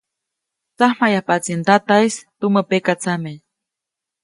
Tsamjayajpaʼtsi ndataʼis tumä pekatsame.